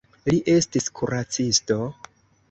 Li estis kuracisto.